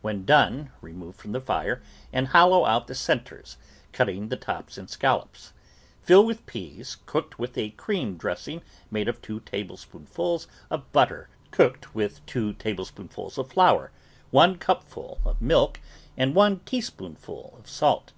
When done, remove from the fire and hollow out the cen tres, cutting the tops in scallops. Fill with peas cooked with a cream dressing made of two table spoonfuls of butter cooked with two tablespoonfuls of flour, one cupful of milk, and one teaspoonful of salt.